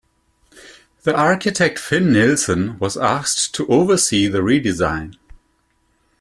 The architect Finn Nilsson was asked to oversee the redesign.